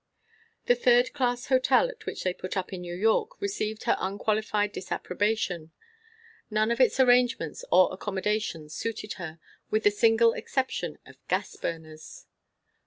The third class hotel at which they put up in New York received her unqualified disapprobation. None of its arrangements or accommodations suited her; with the single exception of gas burners.